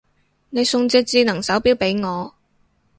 你送隻智能手錶俾我